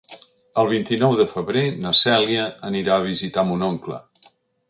El vint-i-nou de febrer na Cèlia anirà a visitar mon oncle.